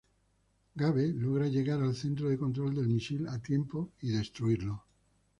Gabe logra llegar al centro de control del misil a tiempo y destruirlo.